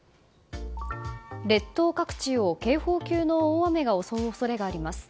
列島各地を警報級の大雨が襲う恐れがあります。